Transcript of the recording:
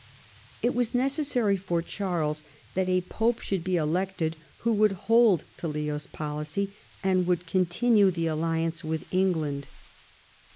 It was necessary for Charles that a Pope should be elected who would hold to Leo's policy, and would continue the alliance with England.